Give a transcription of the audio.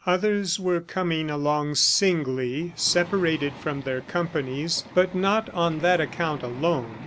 Others were coming along singly, separated from their companies, but not on that account alone.